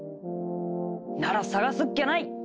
なら探すっきゃない！